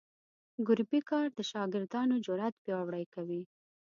ګروپي کار د شاګردانو جرات پیاوړي کوي.